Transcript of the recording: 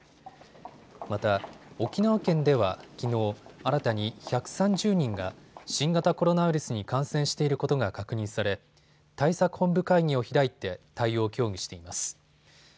また沖縄県では、きのう新たに１３０人が新型コロナウイルスに感染していることが確認され、対策本部会議を開いて対応を協議しています。